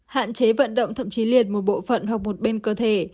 hạn chế vận động thậm chí liệt một bộ phận hoặc một bên cơ thể